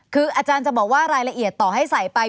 คืออาจารย์จะบอกว่ารายละเอียดต่อให้ใส่ไป